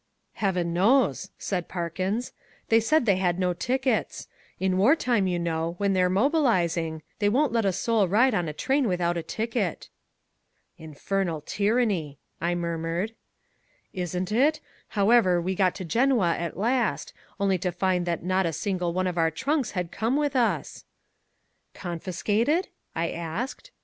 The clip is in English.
"Heaven knows," said Parkins, "they said they had no tickets. In war time you know, when they're mobilizing, they won't let a soul ride on a train without a ticket." "Infernal tyranny," I murmured. "Isn't it? However, we got to Genoa at last, only to find that not a single one of our trunks had come with us!" "Confiscated?" I asked.